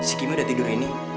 si kima udah tidur ini